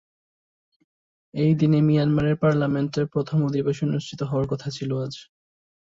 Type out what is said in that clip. এই দিনে মিয়ানমারের পার্লামেন্টে প্রথম অধিবেশন অনুষ্ঠিত হওয়ার কথা ছিল আজ।